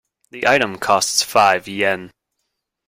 The item costs five Yen.